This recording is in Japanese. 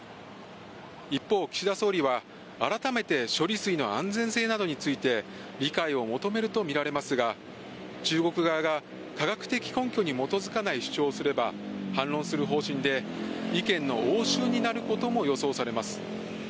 一方、岸田総理は、改めて処理水の安全性などについて理解を求めると見られますが、中国側が科学的根拠に基づかない主張をすれば、反論する方針で意見の応酬になることも予想されます。